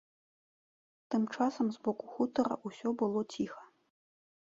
Тым часам з боку хутара ўсё было ціха.